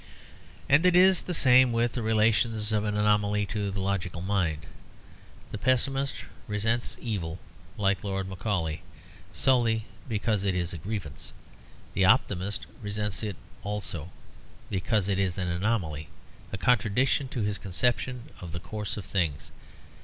And it is the same with the relations of an anomaly to the logical mind. The pessimist resents evil (like Lord Macaulay) solely because it is a grievance. The optimist resents it also, because it is an anomaly; a contradiction to his conception of the course of things.